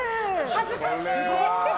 恥ずかしい！